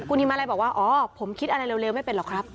ฮิมมาลัยบอกว่าอ๋อผมคิดอะไรเร็วไม่เป็นหรอกครับ